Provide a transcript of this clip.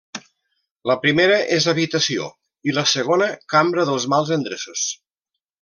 La primera és habitació; i la segona cambra dels mals endreços.